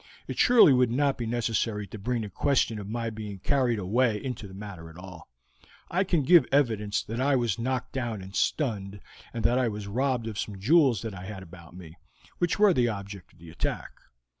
It surely would not be necessary to bring the question of my being carried away into the matter at all; I can give evidence that I was knocked down and stunned, and that I was robbed of some jewels that I had about me, which were the object of the attack."